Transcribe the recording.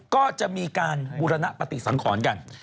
ก็จะมีการบูรณปฏิสังขรกัน